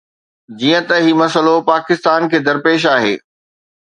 جيئن ته هي مسئلو پاڪستان کي درپيش آهي.